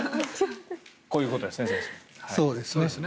こういうことですね先生。